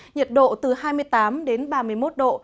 nhiệt độ từ hai mươi tám đến ba mươi một độ